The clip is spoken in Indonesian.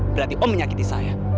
berarti om menyakiti saya